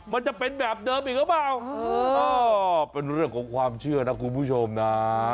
มันจะเป็นแบบเดิมอีกหรือเปล่าเป็นเรื่องของความเชื่อนะคุณผู้ชมนะ